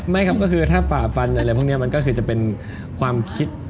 ไม่ครับก็คือถ้าฝ่าฟันอะไรพวกนี้มันก็คือจะเป็นความคิด